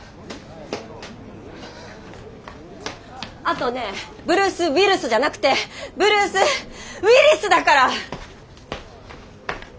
あとねブルース・ウィルスじゃなくてブルース・ウィリスだから！